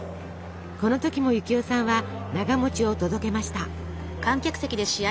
この時も幸代さんはながを届けました。